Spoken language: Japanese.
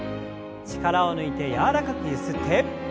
力を抜いて柔らかくゆすって。